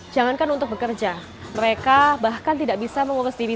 jangankan untuk bekerja mereka bahkan tidak bisa mengurus diri